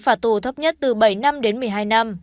phạt tù thấp nhất từ bảy năm đến một mươi hai năm